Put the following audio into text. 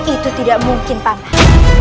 itu tidak mungkin paman